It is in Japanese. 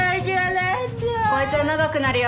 こいつは長くなるよ。